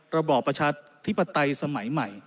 ระบอบประชาธิปไตยสมัยใหม่